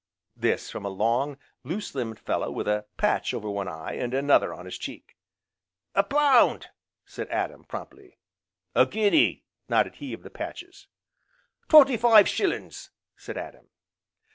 this from a long, loose limbed fellow with a patch over one eye, and another on his cheek. "A pound!" said Adam, promptly. "A guinea!" nodded he of the patches. "Twenty five shillin's!" said Adam.